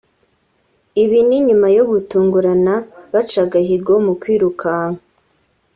Ibi ni nyuma yo gutungurana baca agahigo mu kwirukanka